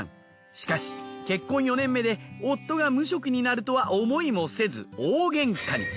しかし結婚４年目で夫が無職になるとは思いもせず大げんかに。